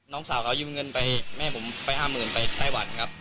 น้องสาวเขายืมเงินไปแม่ผมไป๕๐๐๐ไปไต้หวันครับ